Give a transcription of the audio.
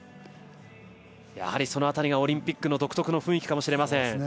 やはり、その辺りがオリンピックの独特の雰囲気かもしれません。